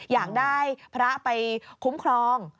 อยากได้พระไปคุ้มครอง